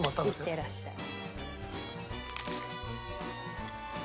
いってらっしゃい。